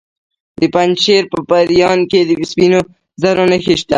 د پنجشیر په پریان کې د سپینو زرو نښې شته.